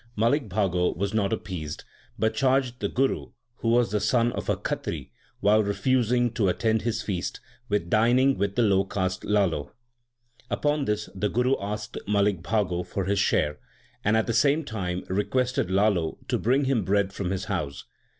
Malik Bhago was not appeased, but charged the Guru, who was the son of a Khatri, while refusing to attend his feast, with dining with the low caste Lalo. Upon this the Guru asked Malik Bhago for his share, and at the same time requested Lalo to bring him bread from his house.